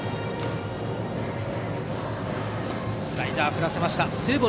スライダー、振らせました。